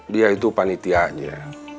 dia itu panitianya